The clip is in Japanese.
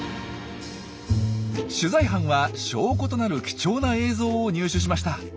取材班は証拠となる貴重な映像を入手しました。